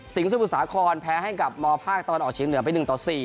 สมุทรสาครแพ้ให้กับมภาคตะวันออกเฉียงเหนือไป๑ต่อ๔